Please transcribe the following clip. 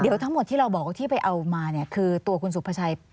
เดี๋ยวทั้งหมดที่เราบอกว่าที่ไปเอามาเนี่ยคือตัวคุณสุภาชัย